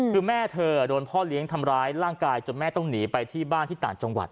คือแม่เธอโดนพ่อเลี้ยงทำร้ายร่างกายจนแม่ต้องหนีไปที่บ้านที่ต่างจังหวัด